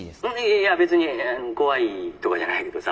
いや別に怖いとかじゃないけどさ。